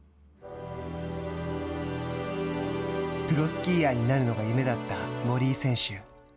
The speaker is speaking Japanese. プロスキーヤーになるのが夢だった森井選手。